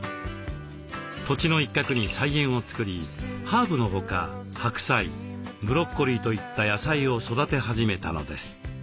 土地の一角に菜園を作りハーブのほか白菜ブロッコリーといった野菜を育て始めたのです。